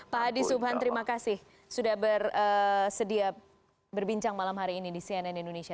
pak hadi subhan terima kasih sudah bersedia berbincang malam hari ini di cnn indonesia